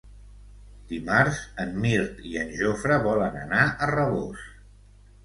Dimarts en Mirt i en Jofre volen anar a Rabós.